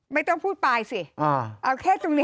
ไม่ต้องพูดปลายสิเอาแค่ตรงนี้